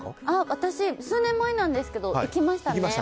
私、数年前なんですけど行きましたね。